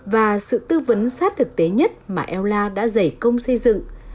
và sự tư vấn sát thực tế nhất mà ella đã dày công xây dựng